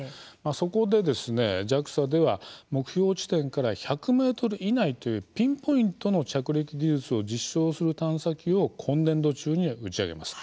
そこで、ＪＡＸＡでは目標地点から１００ｍ以内というピンポイントの着陸技術を実証する探査機を今年度中に打ち上げます。